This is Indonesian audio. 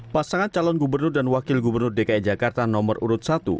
pasangan calon gubernur dan wakil gubernur dki jakarta nomor urut satu